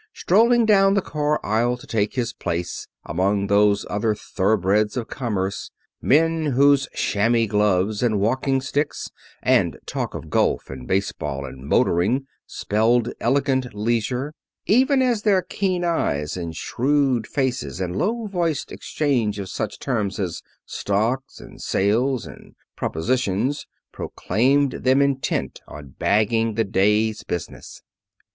Strolling down the car aisle to take his place among those other thoroughbreds of commerce men whose chamois gloves and walking sticks, and talk of golf and baseball and motoring spelled elegant leisure, even as their keen eyes and shrewd faces and low voiced exchange of such terms as "stocks," and "sales" and "propositions" proclaimed them intent on bagging the day's business.